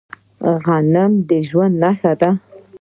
غنم د ژوند نښه ده.